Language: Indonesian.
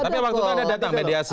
tapi waktu itu ada datang mediasi